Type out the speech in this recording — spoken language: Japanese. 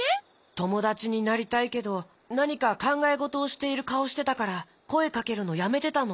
ともだちになりたいけどなにかかんがえごとをしているかおしてたからこえかけるのやめてたの。